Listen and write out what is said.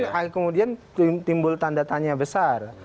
kemudian timbul tanda tanya besar